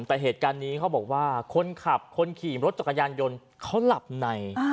แต่เหตุการณ์นี้เขาบอกว่าคนขับคนขี่รถจักรยานยนต์เขาหลับใน